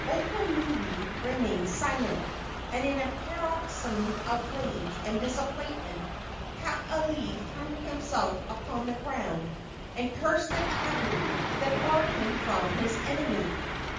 Oponui remained silent, and in a paroxysm of rage and disappointment Kaaialii threw himself upon the ground and cursed the tabu that barred him from his enemy.